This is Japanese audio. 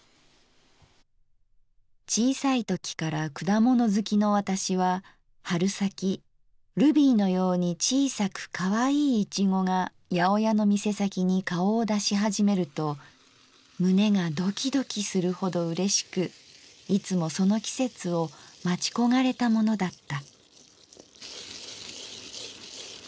「小さいときから果物好きの私は春先ルビーのように小さく可愛い苺が八百屋の店先に顔を出しはじめると胸がドキドキするほど嬉しくいつもその季節を待ち焦がれたものだった」。